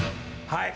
はい。